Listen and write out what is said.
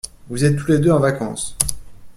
Vous êtes tous les deux en vacances.